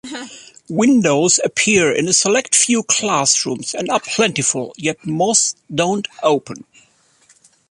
Windows appear in a select few classrooms and are plentiful, yet most don't open.